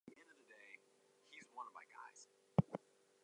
Usually, one face of the hammer is magnetized to aid in placement of tacks.